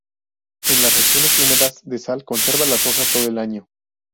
En las regiones húmedas el sal conserva las hojas todo el año.